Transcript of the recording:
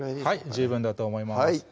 十分だと思います